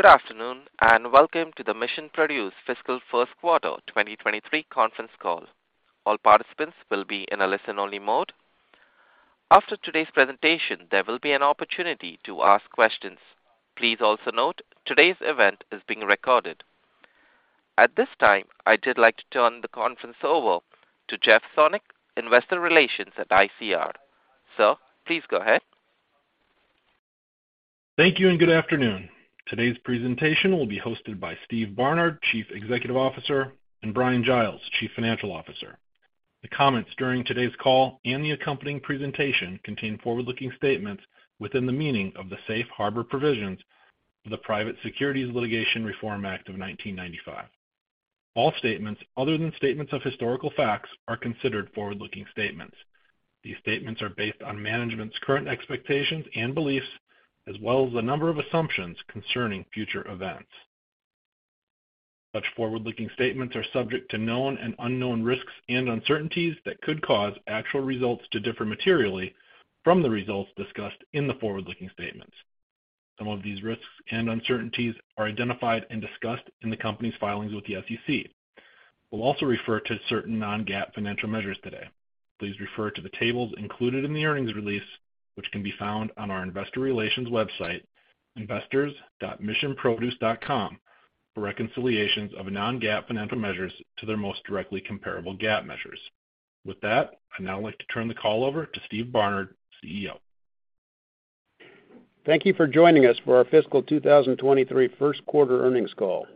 Good afternoon, and welcome to the Mission Produce Fiscal First Quarter 2023 conference call. All participants will be in a listen-only mode. After today's presentation, there will be an opportunity to ask questions. Please also note today's event is being recorded. At this time, I did like to turn the conference over to Jeff Sonnek, Investor Relations at ICR. Sir, please go ahead. Thank you and good afternoon. Today's presentation will be hosted by Steve Barnard, Chief Executive Officer, and Bryan Giles, Chief Financial Officer. The comments during today's call and the accompanying presentation contain forward-looking statements within the meaning of the safe harbor provisions of the Private Securities Litigation Reform Act of 1995. All statements other than statements of historical facts are considered forward-looking statements. These statements are based on management's current expectations and beliefs, as well as a number of assumptions concerning future events. Such forward-looking statements are subject to known and unknown risks and uncertainties that could cause actual results to differ materially from the results discussed in the forward-looking statements. Some of these risks and uncertainties are identified and discussed in the company's filings with the SEC. We'll also refer to certain non-GAAP financial measures today. Please refer to the tables included in the earnings release, which can be found on our investor relations website, investors.missionproduce.com, for reconciliations of non-GAAP financial measures to their most directly comparable GAAP measures. With that, I'd now like to turn the call over to Steve Barnard, CEO. Thank you for joining us for our fiscal 2023 first quarter earnings call.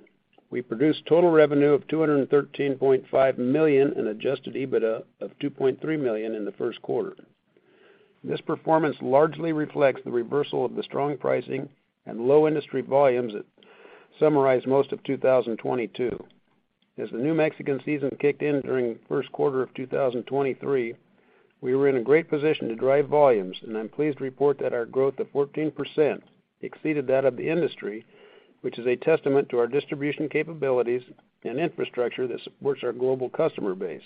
We produced total revenue of $213.5 million and adjusted EBITDA of $2.3 million in the first quarter. This performance largely reflects the reversal of the strong pricing and low industry volumes that summarized most of 2022. As the new Mexican season kicked in during the first quarter of 2023, we were in a great position to drive volumes, and I'm pleased to report that our growth of 14% exceeded that of the industry, which is a testament to our distribution capabilities and infrastructure that supports our global customer base.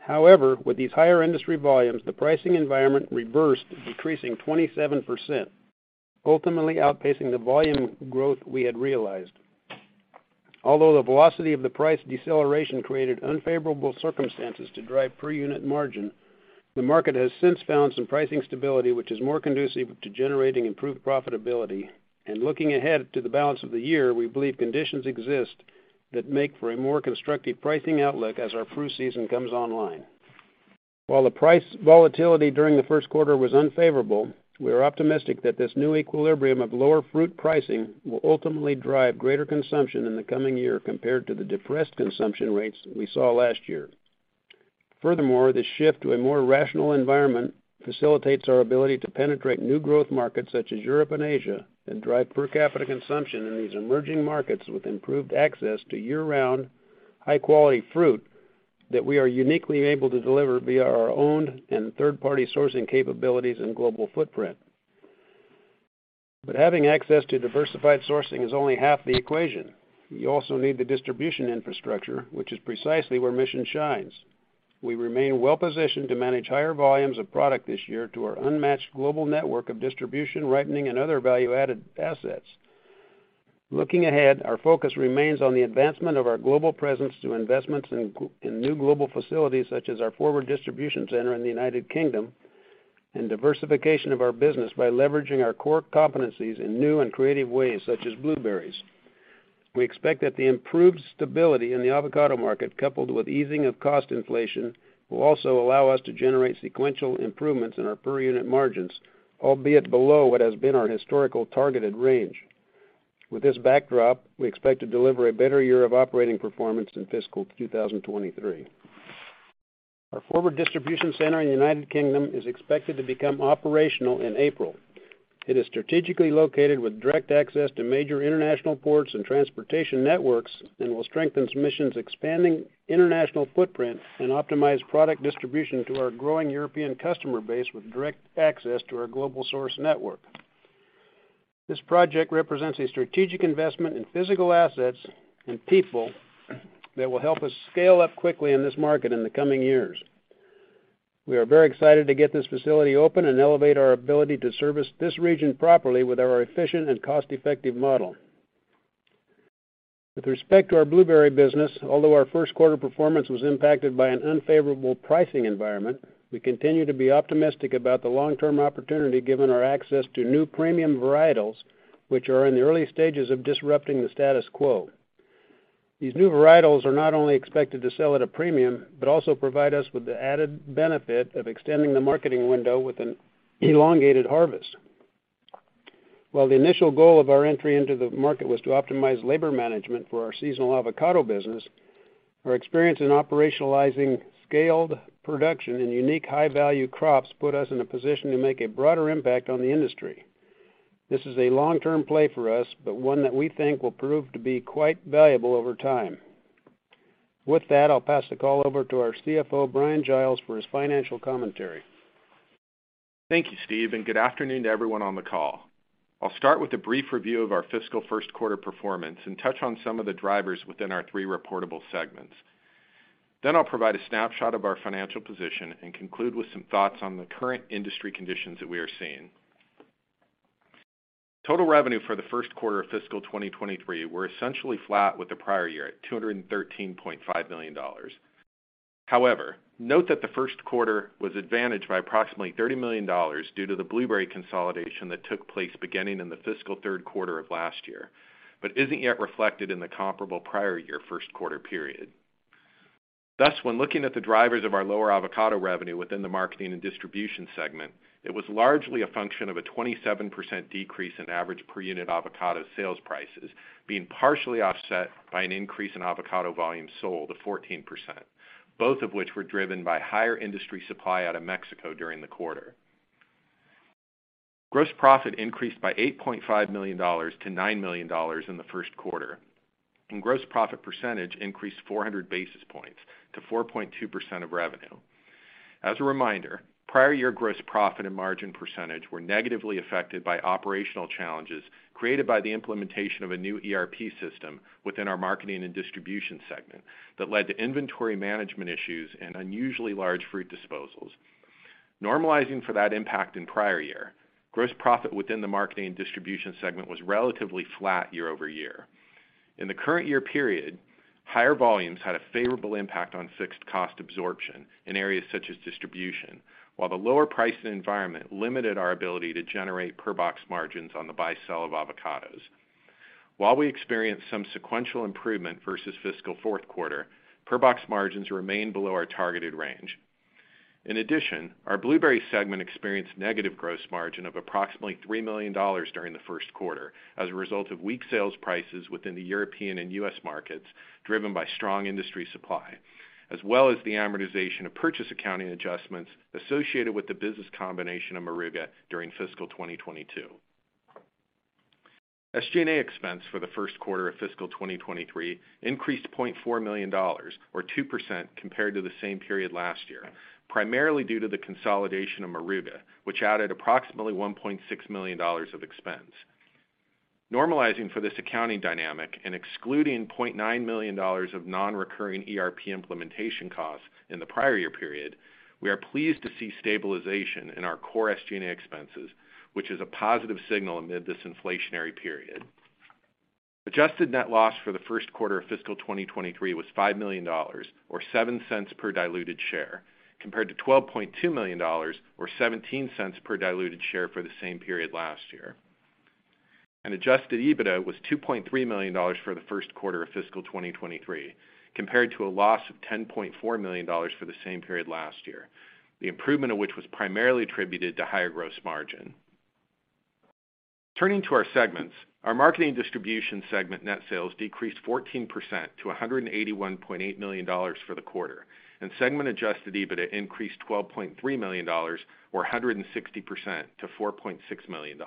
However, with these higher industry volumes, the pricing environment reversed, decreasing 27%, ultimately outpacing the volume growth we had realized. Although the velocity of the price deceleration created unfavorable circumstances to drive per unit margin, the market has since found some pricing stability which is more conducive to generating improved profitability. Looking ahead to the balance of the year, we believe conditions exist that make for a more constructive pricing outlook as our fruit season comes online. While the price volatility during the first quarter was unfavorable, we are optimistic that this new equilibrium of lower fruit pricing will ultimately drive greater consumption in the coming year compared to the depressed consumption rates we saw last year. Furthermore, the shift to a more rational environment facilitates our ability to penetrate new growth markets such as Europe and Asia, and drive per capita consumption in these emerging markets with improved access to year-round, high-quality fruit that we are uniquely able to deliver via our owned and third-party sourcing capabilities and global footprint. Having access to diversified sourcing is only half the equation. You also need the distribution infrastructure, which is precisely where Mission shines. We remain well-positioned to manage higher volumes of product this year to our unmatched global network of distribution, ripening, and other value-added assets. Looking ahead, our focus remains on the advancement of our global presence through investments in new global facilities, such as our forward distribution center in the United Kingdom and diversification of our business by leveraging our core competencies in new and creative ways, such as blueberries. We expect that the improved stability in the avocado market, coupled with easing of cost inflation, will also allow us to generate sequential improvements in our per unit margins, albeit below what has been our historical targeted range. With this backdrop, we expect to deliver a better year of operating performance in fiscal 2023. Our forward distribution center in the United Kingdom is expected to become operational in April. It is strategically located with direct access to major international ports and transportation networks and will strengthen Mission's expanding international footprint and optimize product distribution to our growing European customer base with direct access to our global source network. This project represents a strategic investment in physical assets and people that will help us scale up quickly in this market in the coming years. We are very excited to get this facility open and elevate our ability to service this region properly with our efficient and cost-effective model. With respect to our blueberry business, although our first quarter performance was impacted by an unfavorable pricing environment, we continue to be optimistic about the long-term opportunity given our access to new premium varietals which are in the early stages of disrupting the status quo. These new varietals are not only expected to sell at a premium, but also provide us with the added benefit of extending the marketing window with an elongated harvest. While the initial goal of our entry into the market was to optimize labor management for our seasonal avocado business, our experience in operationalizing scaled production in unique high-value crops put us in a position to make a broader impact on the industry. This is a long-term play for us, but one that we think will prove to be quite valuable over time. With that, I'll pass the call over to our CFO, Bryan Giles, for his financial commentary. Thank you, Steve, and good afternoon to everyone on the call. I'll start with a brief review of our fiscal first quarter performance and touch on some of the drivers within our three reportable segments. I'll provide a snapshot of our financial position and conclude with some thoughts on the current industry conditions that we are seeing. Total revenue for the first quarter of fiscal 2023 were essentially flat with the prior year at $213.5 million. Note that the first quarter was advantaged by approximately $30 million due to the blueberry consolidation that took place beginning in the fiscal third quarter of last year, but isn't yet reflected in the comparable prior year first quarter period. Thus, when looking at the drivers of our lower avocado revenue within the marketing and distribution segment, it was largely a function of a 27% decrease in average per unit avocado sales prices being partially offset by an increase in avocado volume sold of 14%, both of which were driven by higher industry supply out of Mexico during the quarter. Gross profit increased by $8.5 million to $9 million in the first quarter. Gross profit percentage increased 400 basis points to 4.2% of revenue. As a reminder, prior year gross profit and margin percentage were negatively affected by operational challenges created by the implementation of a new ERP system within our marketing and distribution segment that led to inventory management issues and unusually large fruit disposals. Normalizing for that impact in prior year, gross profit within the marketing and distribution segment was relatively flat year-over-year. In the current year period, higher volumes had a favorable impact on fixed cost absorption in areas such as distribution, while the lower pricing environment limited our ability to generate per box margins on the buy sell of avocados. While we experienced some sequential improvement versus fiscal fourth quarter, per box margins remain below our targeted range. Our blueberry segment experienced negative gross margin of approximately $3 million during the first quarter as a result of weak sales prices within the European and U.S. markets driven by strong industry supply, as well as the amortization of purchase accounting adjustments associated with the business combination of Moruga during fiscal 2022. SG&A expense for the first quarter of fiscal 2023 increased $0.4 million, or 2% compared to the same period last year, primarily due to the consolidation of Moruga, which added approximately $1.6 million of expense. Normalizing for this accounting dynamic and excluding $0.9 million of non-recurring ERP implementation costs in the prior year period, we are pleased to see stabilization in our core SG&A expenses, which is a positive signal amid this inflationary period. Adjusted net loss for the first quarter of fiscal 2023 was $5 million or $0.07 per diluted share, compared to $12.2 million or $0.17 per diluted share for the same period last year. Adjusted EBITDA was $2.3 million for the first quarter of fiscal 2023, compared to a loss of $10.4 million for the same period last year, the improvement of which was primarily attributed to higher gross margin. Turning to our segments, our marketing distribution segment net sales decreased 14% to $181.8 million for the quarter, and segment adjusted EBITDA increased $12.3 million or 160% to $4.6 million.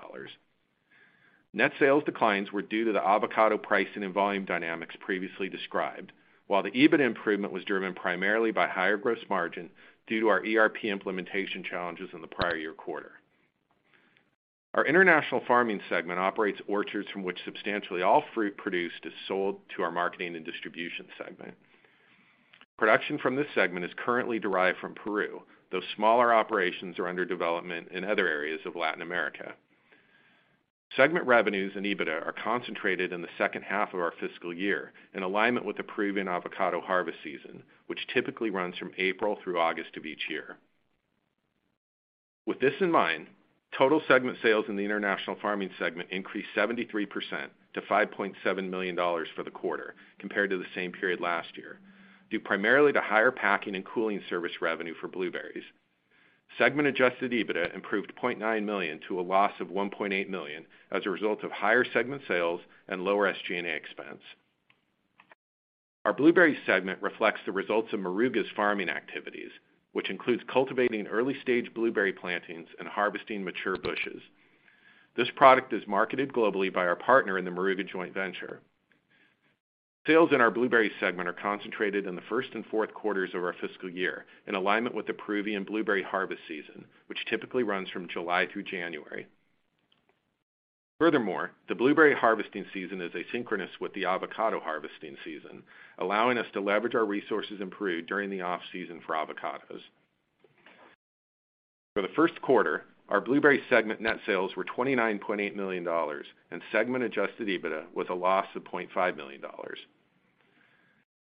Net sales declines were due to the avocado pricing and volume dynamics previously described, while the EBITDA improvement was driven primarily by higher gross margin due to our ERP implementation challenges in the prior year quarter. Our international farming segment operates orchards from which substantially all fruit produced is sold to our marketing and distribution segment. Production from this segment is currently derived from Peru, though smaller operations are under development in other areas of Latin America. Segment revenues and EBITDA are concentrated in the second half of our fiscal year in alignment with the Peruvian avocado harvest season, which typically runs from April through August of each year. With this in mind, total segment sales in the international farming segment increased 73% to $5.7 million for the quarter compared to the same period last year, due primarily to higher packing and cooling service revenue for blueberries. Segment adjusted EBITDA improved $0.9 million to a loss of $1.8 million as a result of higher segment sales and lower SG&A expense. Our blueberry segment reflects the results of Moruga's farming activities, which includes cultivating early stage blueberry plantings and harvesting mature bushes. This product is marketed globally by our partner in the Moruga joint venture. Sales in our blueberry segment are concentrated in the first and fourth quarters of our fiscal year in alignment with the Peruvian blueberry harvest season, which typically runs from July through January. Furthermore, the blueberry harvesting season is asynchronous with the avocado harvesting season, allowing us to leverage our resources in Peru during the off-season for avocados. For the first quarter, our blueberry segment net sales were $29.8 million and segment adjusted EBITDA was a loss of $0.5 million.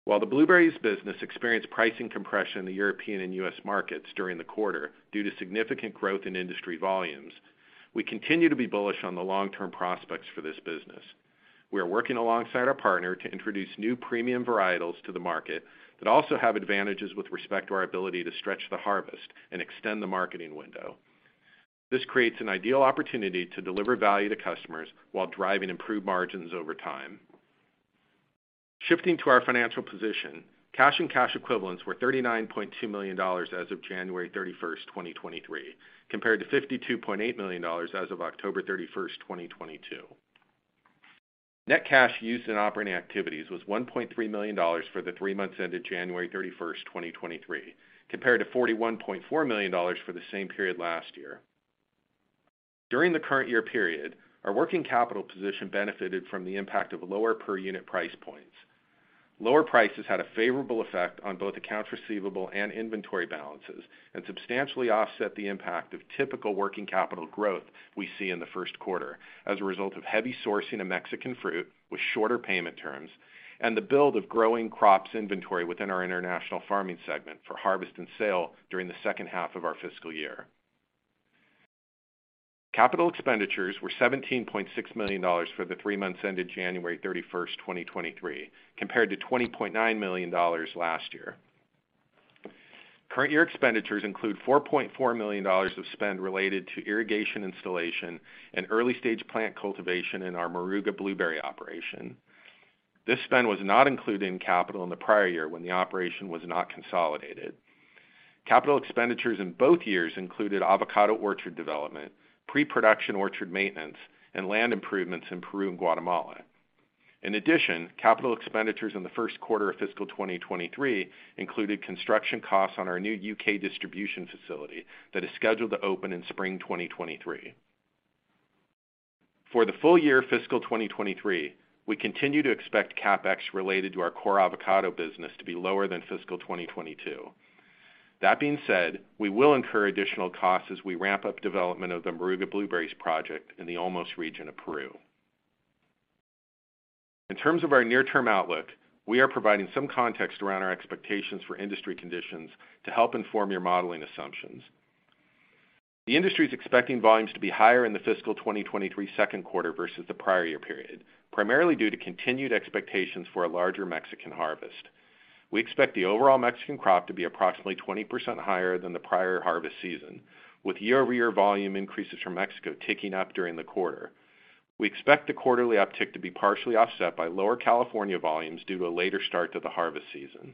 While the blueberries business experienced pricing compression in the European and U.S. markets during the quarter due to significant growth in industry volumes, we continue to be bullish on the long-term prospects for this business. We are working alongside our partner to introduce new premium varietals to the market that also have advantages with respect to our ability to stretch the harvest and extend the marketing window. This creates an ideal opportunity to deliver value to customers while driving improved margins over time. Shifting to our financial position, cash and cash equivalents were $39.2 million as of January 31, 2023, compared to $52.8 million as of October 31, 2022. Net cash used in operating activities was $1.3 million for the three months ended January 31, 2023, compared to $41.4 million for the same period last year. During the current year period, our working capital position benefited from the impact of lower per unit price points. Lower prices had a favorable effect on both accounts receivable and inventory balances, and substantially offset the impact of typical working capital growth we see in the first quarter as a result of heavy sourcing of Mexican fruit with shorter payment terms and the build of growing crops inventory within our international farming segment for harvest and sale during the second half of our fiscal year. Capital expenditures were $17.6 million for the 3 months ended January 31, 2023, compared to $20.9 million last year. Current year expenditures include $4.4 million of spend related to irrigation installation and early stage plant cultivation in our Moruga blueberry operation. This spend was not included in capital in the prior year when the operation was not consolidated. Capital expenditures in both years included avocado orchard development, pre-production orchard maintenance, and land improvements in Peru and Guatemala. Capital expenditures in the first quarter of fiscal 2023 included construction costs on our new U.K. distribution facility that is scheduled to open in spring 2023. For the full year fiscal 2023, we continue to expect CapEx related to our core avocado business to be lower than fiscal 2022. That being said, we will incur additional costs as we ramp up development of the Moruga Blueberries project in the Olmos region of Peru. In terms of our near-term outlook, we are providing some context around our expectations for industry conditions to help inform your modeling assumptions. The industry is expecting volumes to be higher in the fiscal 2023 second quarter versus the prior year period, primarily due to continued expectations for a larger Mexican harvest. We expect the overall Mexican crop to be approximately 20% higher than the prior harvest season, with year-over-year volume increases from Mexico ticking up during the quarter. We expect the quarterly uptick to be partially offset by lower California volumes due to a later start to the harvest season.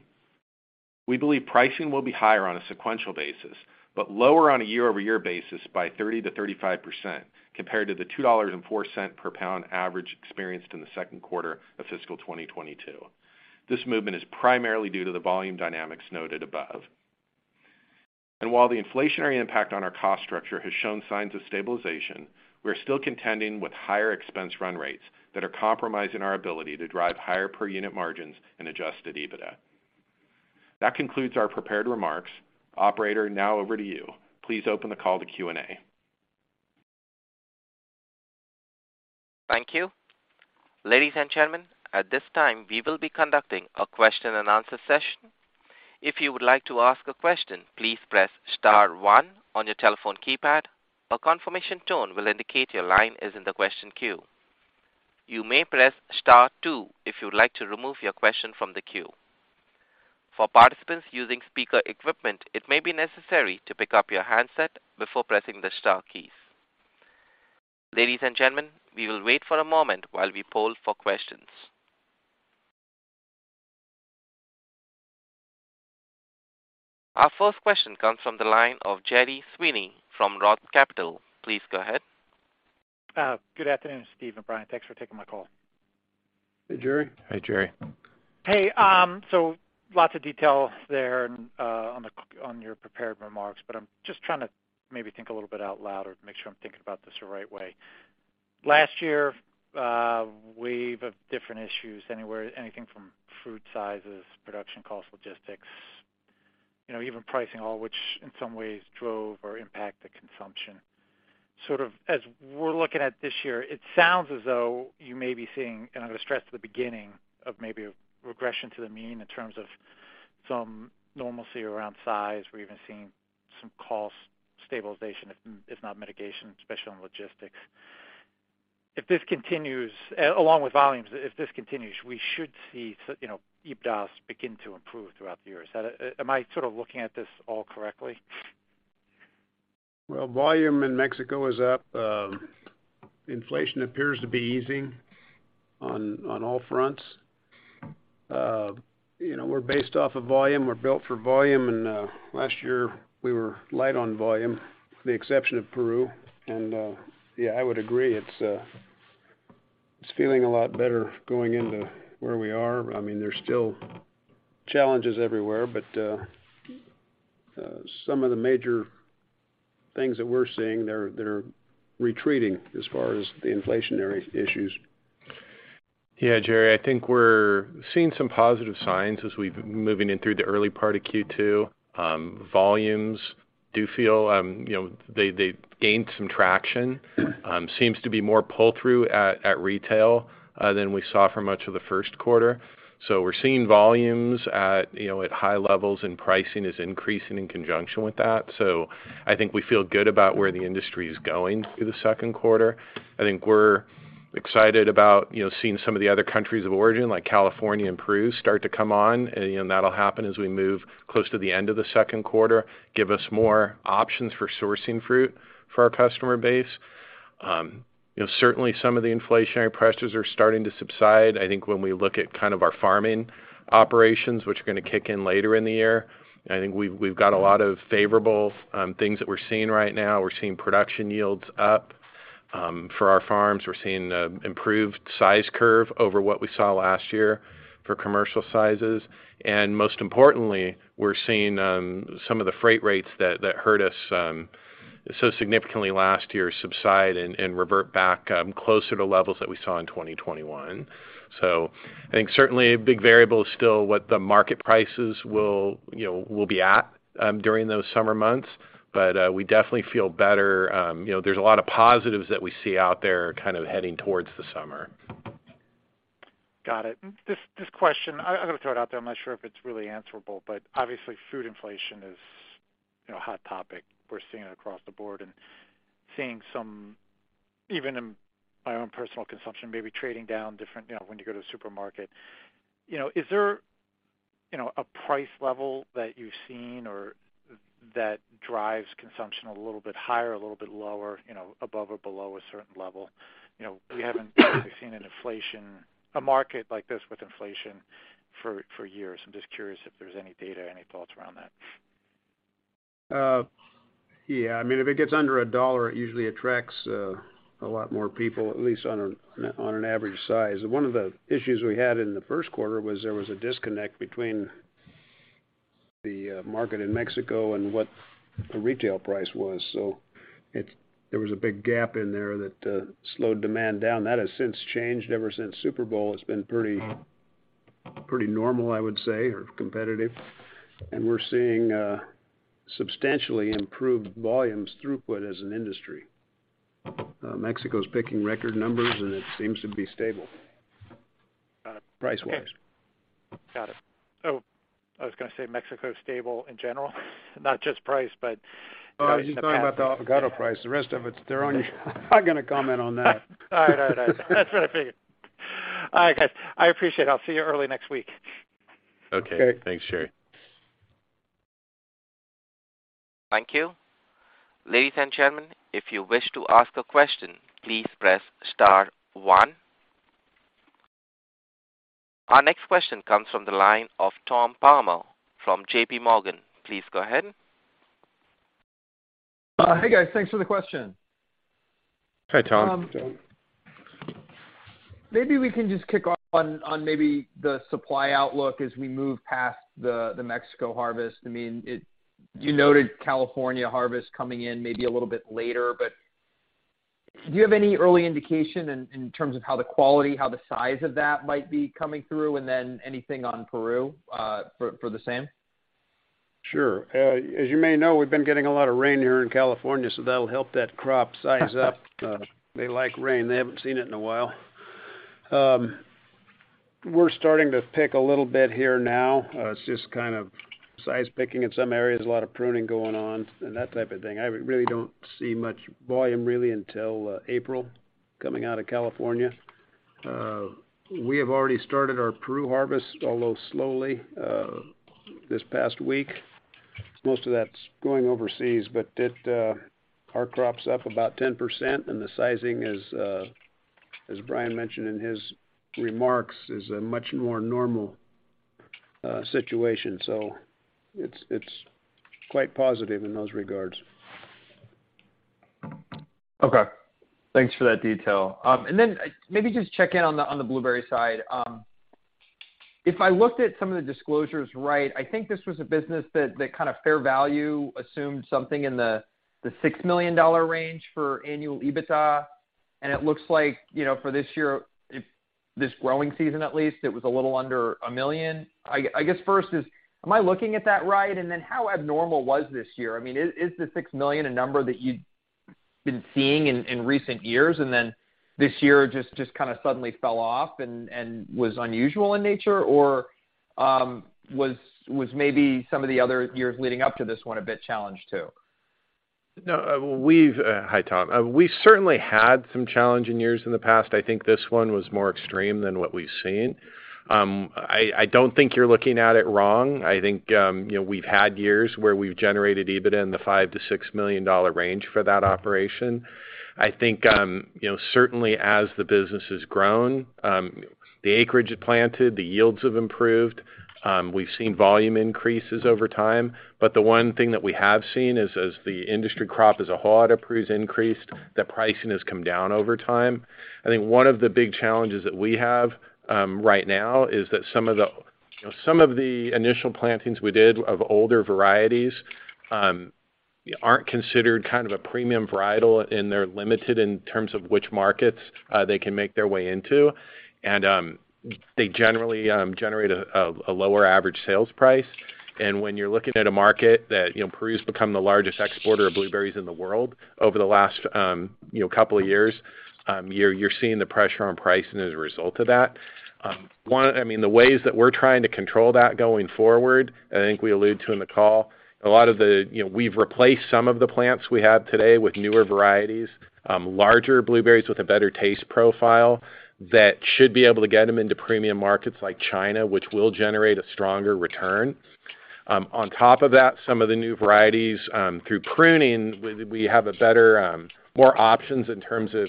We believe pricing will be higher on a sequential basis, but lower on a year-over-year basis by 30%-35% compared to the $2.04 per pound average experienced in the second quarter of fiscal 2022. This movement is primarily due to the volume dynamics noted above. While the inflationary impact on our cost structure has shown signs of stabilization, we're still contending with higher expense run rates that are compromising our ability to drive higher per unit margins and adjusted EBITDA. That concludes our prepared remarks. Operator, now over to you. Please open the call to Q&A. Thank you. Ladies and gentlemen, at this time, we will be conducting a question-and-answer session. If you would like to ask a question, please press star one on your telephone keypad. A confirmation tone will indicate your line is in the question queue. You may press star two if you would like to remove your question from the queue. For participants using speaker equipment, it may be necessary to pick up your handset before pressing the star keys. Ladies and gentlemen, we will wait for a moment while we poll for questions. Our first question comes from the line of Gerry Sweeney from Roth Capital. Please go ahead. Good afternoon, Steve and Bryan. Thanks for taking my call. Hey, Gerry. Hey, Gerry. Lots of detail there on your prepared remarks, but I'm just trying to maybe think a little bit out loud or to make sure I'm thinking about this the right way. Last year, wave of different issues, anything from fruit sizes, production costs, logistics, you know, even pricing, all which in some ways drove or impacted consumption. Sort of as we're looking at this year, it sounds as though you may be seeing, and I'm gonna stress at the beginning of maybe a regression to the mean in terms of some normalcy around size. We're even seeing some cost stabilization, if not mitigation, especially on logistics. If this continues, along with volumes, if this continues, we should see, you know, EBITDAs begin to improve throughout the year. Am I sort of looking at this all correctly? Well, volume in Mexico is up. Inflation appears to be easing on all fronts. You know, we're based off of volume. We're built for volume. Last year, we were light on volume, with the exception of Peru. Yeah, I would agree it's feeling a lot better going into where we are. I mean, there's still challenges everywhere, some of the major things that we're seeing, they're retreating as far as the inflationary issues. Yeah, Gerry, I think we're seeing some positive signs as we've been moving in through the early part of Q2. Volumes do feel, you know, they've gained some traction. Seems to be more pull-through at retail than we saw for much of the first quarter. I think we're seeing volumes at high levels, and pricing is increasing in conjunction with that. I think we feel good about where the industry is going through the second quarter. I think we're excited about, you know, seeing some of the other countries of origin, like California and Peru, start to come on. You know, that'll happen as we move close to the end of the second quarter, give us more options for sourcing fruit for our customer base. You know, certainly some of the inflationary pressures are starting to subside. I think when we look at kind of our farming operations, which are gonna kick in later in the year, I think we've got a lot of favorable things that we're seeing right now. We're seeing production yields up for our farms, we're seeing the improved size curve over what we saw last year for commercial sizes. Most importantly, we're seeing some of the freight rates that hurt us so significantly last year subside and revert back closer to levels that we saw in 2021. I think certainly a big variable is still what the market prices will, you know, will be at during those summer months. We definitely feel better. You know, there's a lot of positives that we see out there kind of heading towards the summer. Got it. This question, I gotta throw it out there. I'm not sure if it's really answerable, but obviously food inflation is, you know, a hot topic. We're seeing it across the board and seeing some even in my own personal consumption, maybe trading down different, you know, when you go to a supermarket. You know, is there, you know, a price level that you've seen or that drives consumption a little bit higher, a little bit lower, you know, above or below a certain level? You know, we haven't seen a market like this with inflation for years. I'm just curious if there's any data, any thoughts around that. Yeah. I mean, if it gets under $1, it usually attracts a lot more people, at least on an average size. One of the issues we had in the first quarter was there was a disconnect between the market in Mexico and what the retail price was. There was a big gap in there that slowed demand down. That has since changed. Ever since Super Bowl, it's been pretty normal, I would say, or competitive. We're seeing substantially improved volumes throughput as an industry. Mexico's picking record numbers, and it seems to be stable. Got it. Price-wise. Got it. I was gonna say Mexico is stable in general, not just price, but. I'm just talking about the avocado price. The rest of it, they're on their own. I'm not gonna comment on that. All right. All right. That's what I figured. All right, guys. I appreciate it. I'll see you early next week. Okay. Okay. Thanks, Gerry. Thank you. Ladies and gentlemen, if you wish to ask a question, please press star one. Our next question comes from the line of Tom Palmer from JP Morgan. Please go ahead. Hey, guys. Thanks for the question. Hi, Tom. Hi, Tom. Maybe we can just kick off on maybe the supply outlook as we move past the Mexico harvest. I mean, you noted California harvest coming in maybe a little bit later. Do you have any early indication in terms of how the quality, how the size of that might be coming through, and then anything on Peru for the same? Sure. As you may know, we've been getting a lot of rain here in California, so that'll help that crop size up. They like rain. They haven't seen it in a while. We're starting to pick a little bit here now. It's just kind of size picking in some areas, a lot of pruning going on and that type of thing. I really don't see much volume, really until April coming out of California. We have already started our Peru harvest, although slowly, this past week. Most of that's going overseas, but it, our crop's up about 10%, and the sizing is, as Bryan mentioned in his remarks, is a much more normal situation. It's quite positive in those regards. Okay. Thanks for that detail. Then maybe just check in on the, on the blueberry side. If I looked at some of the disclosures right, I think this was a business that kind of fair value assumed something in the $6 million range for annual EBITDA, and it looks like, you know, for this year, if this growing season, at least, it was a little under $1 million. I guess first is, am I looking at that right? Then how abnormal was this year? I mean, is the $6 million a number that you've been seeing in recent years, then this year just kind of suddenly fell off and was unusual in nature? Or was maybe some of the other years leading up to this one a bit challenged too? No. Hi, Tom. We certainly had some challenging years in the past. I think this one was more extreme than what we've seen. I don't think you're looking at it wrong. I think, you know, we've had years where we've generated EBITDA in the $5 million-$6 million range for that operation. I think, you know, certainly as the business has grown, the acreage had planted, the yields have improved. We've seen volume increases over time, but the one thing that we have seen is, as the industry crop as a whole at Peru's increased, the pricing has come down over time. I think one of the big challenges that we have right now is that some of the initial plantings we did of older varieties aren't considered kind of a premium varietal, and they're limited in terms of which markets they can make their way into. They generally generate a lower average sales price. When you're looking at a market that, you know, Peru's become the largest exporter of blueberries in the world over the last, you know, couple of years, you're seeing the pressure on pricing as a result of that. I mean, the ways that we're trying to control that going forward, I think we allude to in the call, a lot of the, you know, we've replaced some of the plants we have today with newer varieties, larger blueberries with a better taste profile that should be able to get them into premium markets like China, which will generate a stronger return. On top of that, some of the new varieties, through pruning, we have a better, more options in terms of,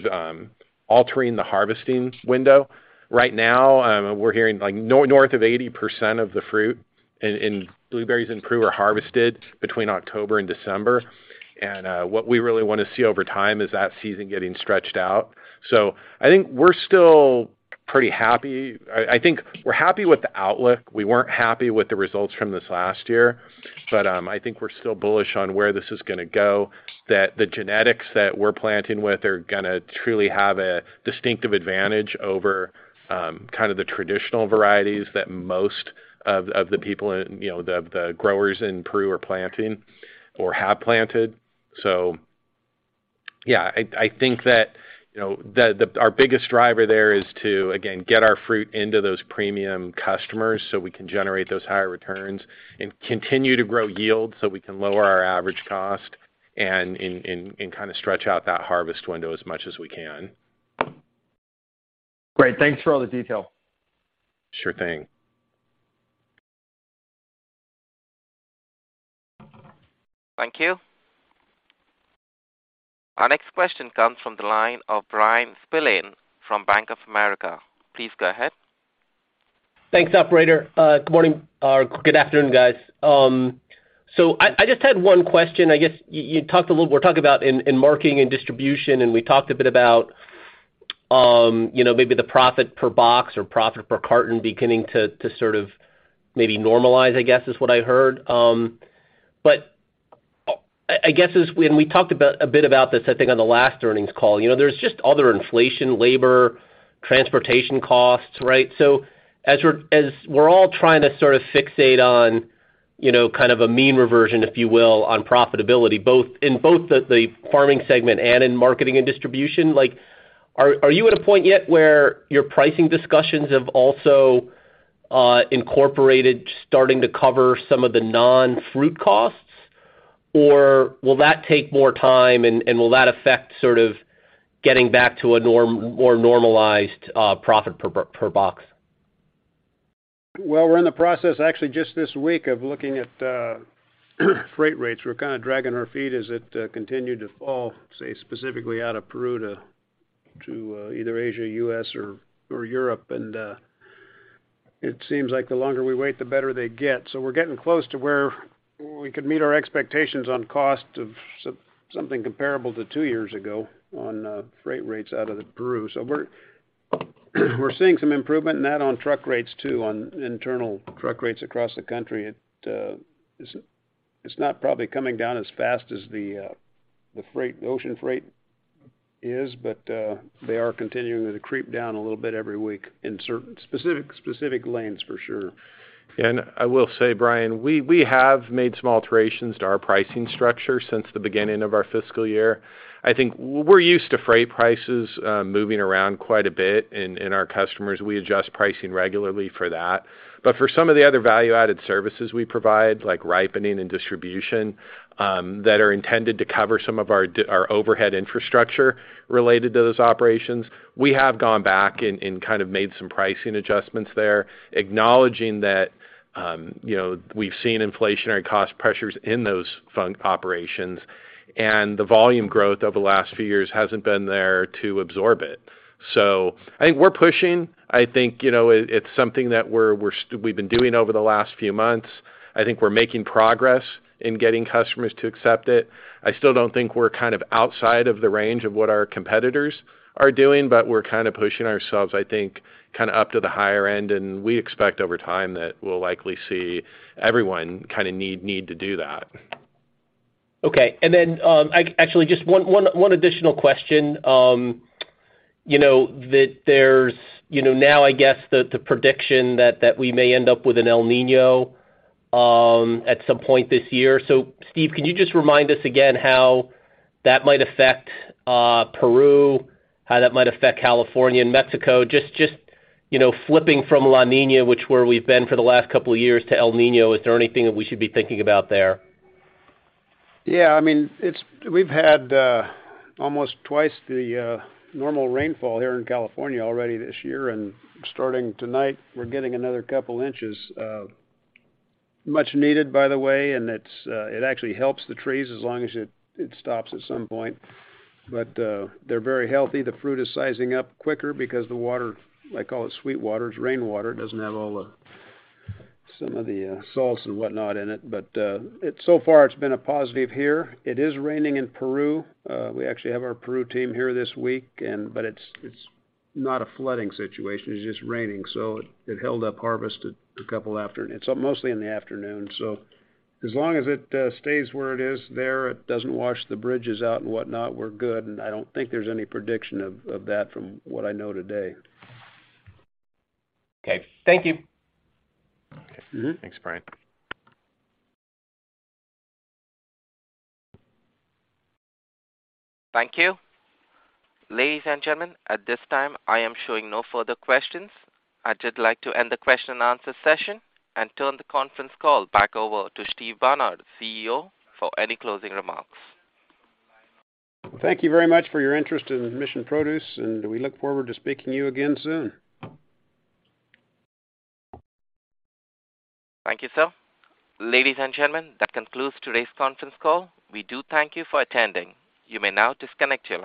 altering the harvesting window. Right now, we're hearing like north of 80% of the fruit. Blueberries in Peru are harvested between October and December. What we really wanna see over time is that season getting stretched out. I think we're still pretty happy. I think we're happy with the outlook. We weren't happy with the results from this last year, but I think we're still bullish on where this is gonna go, that the genetics that we're planting with are gonna truly have a distinctive advantage over kind of the traditional varieties that most of the people in, you know, the growers in Peru are planting or have planted. Yeah, I think that, you know, our biggest driver there is to, again, get our fruit into those premium customers so we can generate those higher returns and continue to grow yield so we can lower our average cost and kind of stretch out that harvest window as much as we can. Great. Thanks for all the detail. Sure thing. Thank you. Our next question comes from the line of Bryan Spillane from Bank of America. Please go ahead. Thanks, operator. Good morning. Good afternoon, guys. I just had one question. I guess we're talking about in marketing and distribution, and we talked a bit about, you know, maybe the profit per box or profit per carton beginning to sort of maybe normalize, I guess, is what I heard. I guess we talked about, a bit about this, I think on the last earnings call, you know, there's just other inflation, labor, transportation costs, right? As we're all trying to sort of fixate on, you know, kind of a mean reversion, if you will, on profitability, both the farming segment and in marketing and distribution, like, are you at a point yet where your pricing discussions have also incorporated starting to cover some of the non-fruit costs, or will that take more time, and will that affect sort of getting back to a more normalized profit per box? Well, we're in the process actually just this week of looking at freight rates. We're kinda dragging our feet as it continued to fall, say specifically out of Peru to either Asia, US or Europe. It seems like the longer we wait, the better they get. We're getting close to where we could meet our expectations on cost of so-something comparable to two years ago on freight rates out of Peru. We're seeing some improvement in that on truck rates too, on internal truck rates across the country. It's not probably coming down as fast as the freight, the ocean freight is, they are continuing to creep down a little bit every week in certain specific lanes for sure. I will say, Bryan, we have made some alterations to our pricing structure since the beginning of our fiscal year. I think we're used to freight prices, moving around quite a bit in our customers. We adjust pricing regularly for that. For some of the other value-added services we provide, like ripening and distribution, that are intended to cover some of our overhead infrastructure related to those operations, we have gone back and kind of made some pricing adjustments there, acknowledging that, you know, we've seen inflationary cost pressures in those operations, and the volume growth over the last few years hasn't been there to absorb it. I think we're pushing. I think, you know, it's something that we've been doing over the last few months. I think we're making progress in getting customers to accept it. I still don't think we're kind of outside of the range of what our competitors are doing. We're kind of pushing ourselves, I think, kind of up to the higher end. We expect over time that we'll likely see everyone kind of need to do that. Okay. Actually, just one additional question. You know that there's, you know, now I guess the prediction that we may end up with an El Niño, at some point this year. Steve, can you just remind us again how that might affect Peru, how that might affect California and Mexico? Just, you know, flipping from La Niña, which where we've been for the last couple of years, to El Niño, is there anything that we should be thinking about there? I mean, it's we've had almost twice the normal rainfall here in California already this year. Starting tonight, we're getting another couple inches of much needed, by the way, and it actually helps the trees as long as it stops at some point. They're very healthy. The fruit is sizing up quicker because the water, I call it sweet water, it's rain water, doesn't have all the, some of the salts and whatnot in it, but it's so far it's been a positive here. It is raining in Peru. We actually have our Peru team here this week. It's not a flooding situation, it's just raining, so it held up harvest a couple afternoon. It's mostly in the afternoon, so as long as it stays where it is there, it doesn't wash the bridges out and whatnot, we're good, and I don't think there's any prediction of that from what I know today. Okay. Thank you. Thanks, Bryan. Thank you. Ladies and gentlemen, at this time, I am showing no further questions. I'd just like to end the question and answer session and turn the conference call back over to Steve Barnard, CEO, for any closing remarks. Thank you very much for your interest in Mission Produce, and we look forward to speaking to you again soon. Thank you, sir. Ladies and gentlemen, that concludes today's conference call. We do thank you for attending. You may now disconnect your line.